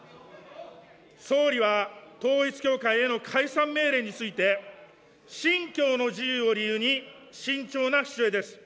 総理は、統一教会への解散命令について、信教の自由を理由に慎重な姿勢です。